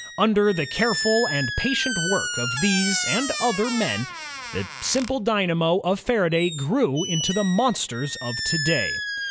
Under the careful and patient work of these and other men, the simple d3niamo of Fara day grew into the monsters of to day.